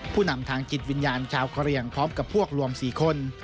ผู้นำทางจิตวิญญาณชาวกะเรียงพร้อมกับพวกรวม๔คน